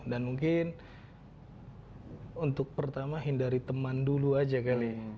dan mungkin untuk pertama hindari teman dulu aja kali